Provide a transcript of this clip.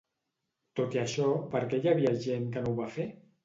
Tot i això, per què hi havia gent que no ho va fer?